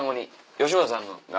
吉村さんが。